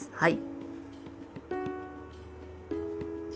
はい。